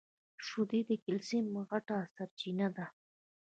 شیدې د کلیسم غټه سرچینه ده.